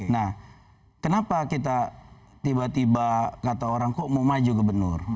nah kenapa kita tiba tiba kata orang kok mau maju gubernur